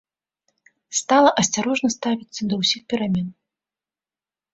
Стала асцярожна ставіцца да ўсіх перамен.